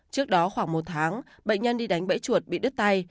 trước đó khoảng một tháng bệnh nhân đi đánh bẫy chuột bị đứt tay